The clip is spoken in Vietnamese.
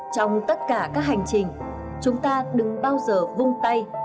trong tất cả các hành trình chúng ta đừng bao giờ vung tay